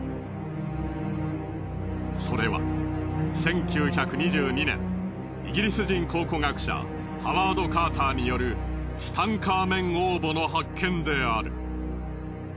それは１９２２年イギリス人考古学者ハワード・カーターによるツタンカーメン王墓の発見である。